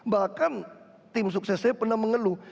bahkan tim sukses saya pernah mengeluh